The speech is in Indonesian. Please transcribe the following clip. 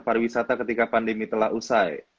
pariwisata ketika pandemi telah usai